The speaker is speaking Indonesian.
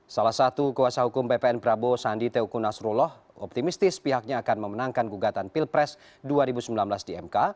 salah satu kuasa hukum bpn prabowo sandi teuku nasrullah optimistis pihaknya akan memenangkan gugatan pilpres dua ribu sembilan belas di mk